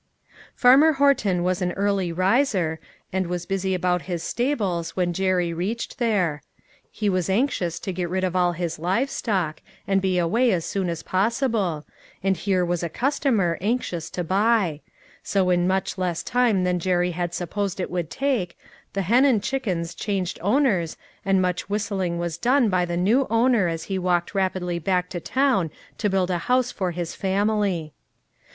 Farmer Horton was an early riser, and was busy about his stables when Jerry reached there. He was anxious to get rid of all his live stock, and be away as soon as possible, and here was a customer anxious to buy ; so in much less time than Jerry had supposed it would take, the hen and chickens changed owners and much whis A WILL AND A WAT. 277 tling was done by the new owner as he walked rapidly back to town to build a house for his family.